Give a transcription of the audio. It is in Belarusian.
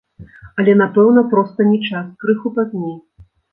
Але, напэўна, проста не час, крыху пазней.